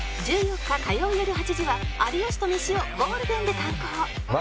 １４日火曜よる８時は有吉とメシをゴールデンで敢行